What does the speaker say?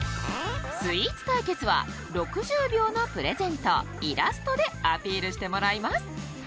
スイーツ対決は６０秒のプレゼンとイラストでアピールしてもらいます。